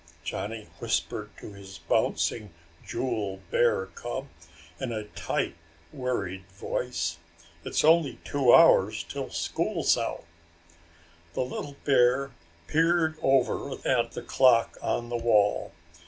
Johnny whispered to his bouncing, jewel bear cub in a tight worried voice. "It's only two hours till school's out." The little bear peered over at the clock on the wall.